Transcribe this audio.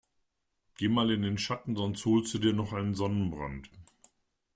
Geh mal in den Schatten, sonst holst du dir noch einen Sonnenbrand.